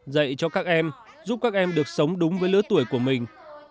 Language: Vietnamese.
dạy cho các em giúp các em được sống đúng với lứa tuổi của mình